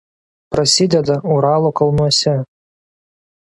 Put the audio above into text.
Prasideda Uralo kalnuose.